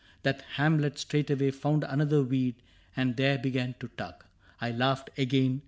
That Hamlet straightway found another weed And there began to tug. I laughed again.